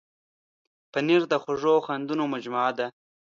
پنېر د خوږو خوندونو مجموعه ده.